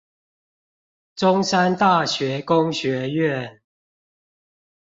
中山大學工學院